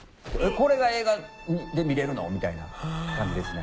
これが映画で見れるの？みたいな感じですね。